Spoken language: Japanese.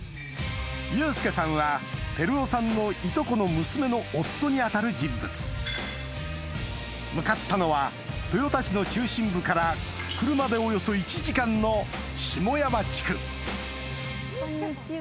悠介さんは照雄さんのいとこの娘の夫に当たる人物向かったのは豊田市の中心部から車でおよそ１時間のこんにちは。